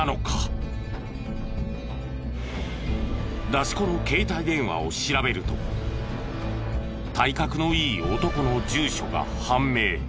出し子の携帯電話を調べると体格のいい男の住所が判明。